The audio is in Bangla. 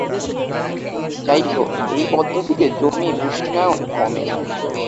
যাইহোক, এই পদ্ধতিতে জমির উষ্ণায়ন কমে।